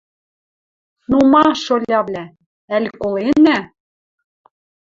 «Ну ма, шолявлӓ? Ӓль коленӓ?